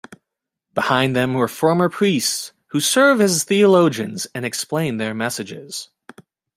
Behind them were former priests who served as theologians and explained their messages.